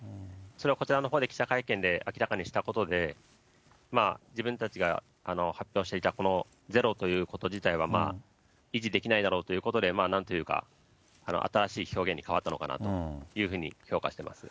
それはこちらのほうで記者会見で明らかにしたことで、自分たちが発表していたこのゼロということ自体は、維持できないだろうということで、なんというか、新しい表現に変わったのかなというふうに評価してます。